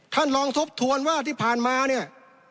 ท่านลองทบทวนว่าที่ผ่านมาเนี่ย